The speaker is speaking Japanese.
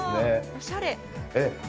おしゃれ。